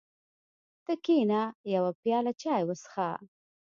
ته کېنه یوه پیاله چای وڅښه.